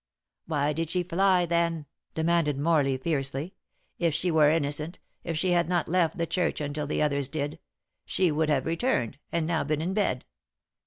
"Why did she fly, then?" demanded Morley fiercely. "If she were innocent if she had not left the church until the others did she would have returned, and now been in bed.